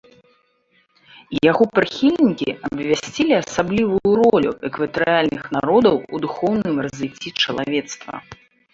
Яго прыхільнікі абвясцілі асаблівую ролю экватарыяльных народаў у духоўным развіцці чалавецтва.